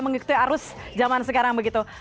mengikuti arus zaman sekarang begitu